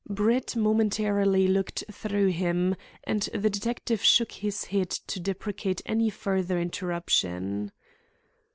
Brett momentarily looked through him, and the detective shook his head to deprecate any further interruption.